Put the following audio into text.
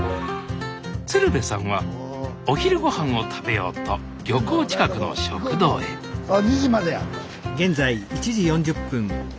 鶴瓶さんはお昼ごはんを食べようと漁港近くの食堂へあ２時までや。